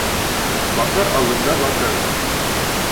Бахыр алдында батыр.